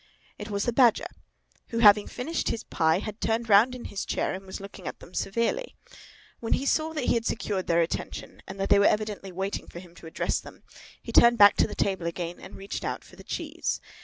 It was the Badger, who, having finished his pie, had turned round in his chair and was looking at them severely. When he saw that he had secured their attention, and that they were evidently waiting for him to address them, he turned back to the table again and reached out for the cheese.